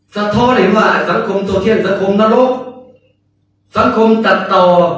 จะทอดเห็นว่าสังคมโทเชียนสังคมนรกสังคมตัดต่อ